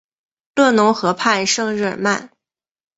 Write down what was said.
勒农河畔圣日耳曼。